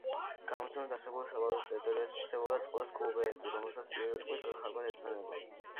გადმოცემით, არსებული საბადოს ტერიტორიაზე ჩნდებოდა წყლის გუბეები, რომელსაც პირუტყვი ხარბად ეტანებოდა.